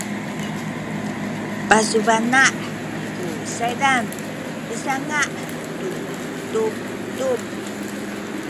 pasubana’ ku saydan misanga’ tu tubtub